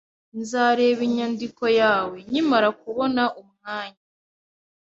Nzareba inyandiko yawe nkimara kubona umwanya